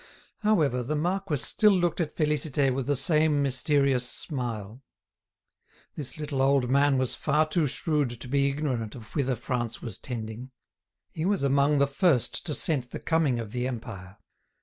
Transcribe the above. However, the marquis still looked at Félicité with the same mysterious smile. This little old man was far too shrewd to be ignorant of whither France was tending. He was among the first to scent the coming of the Empire.